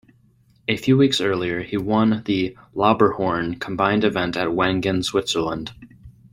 A few weeks earlier, he won the Lauberhorn combined event at Wengen, Switzerland.